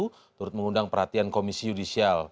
turut mengundang perhatian komisi yudisial